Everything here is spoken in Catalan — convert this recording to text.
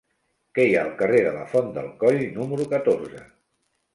Què hi ha al carrer de la Font del Coll número catorze?